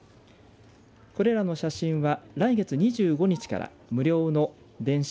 これらの写真は来月２５日から無料の電子